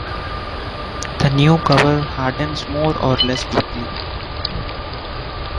The new cover hardens more or less quickly.